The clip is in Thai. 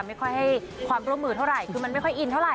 ไม่ค่อยให้ความร่วมมือเท่าไหร่คือมันไม่ค่อยอินเท่าไห